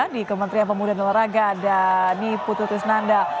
di kementerian pemuda neloraga ada putu tisnanda